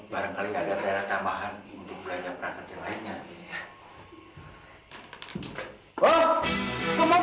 barangkali ada daerah tambahan untuk belajar pekerja lainnya